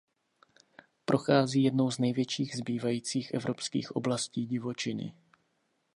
Prochází jednou z největších zbývajících evropských oblastí divočiny.